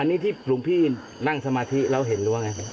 อันนี้ที่ลุงพี่นั่งสมาธิเราเห็นด้วยไหมครับ